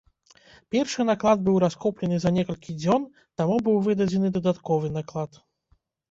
Першы наклад быў раскуплены за некалькі дзён, таму быў выдадзены дадатковы наклад.